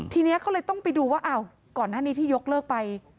ทีนี้เขาเลยต้องไปดูว่าอ้าวก่อนหน้านี้ที่ยกเลิกไป